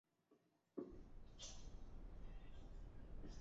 糙叶树是榆科糙叶树属的植物。